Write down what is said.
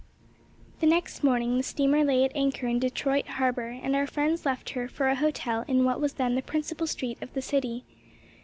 The next morning the steamer lay at anchor in Detroit harbor and our friends left her for a hotel in what was then the principal street of the city.